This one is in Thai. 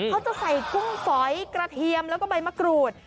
เขาจะใส่กุ้งฝอยกระเทียมแล้วก็ใบมะกรูด